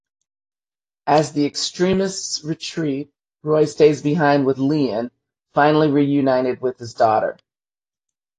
As the Extremists retreat, Roy stays behind with Lian, finally reunited with his daughter.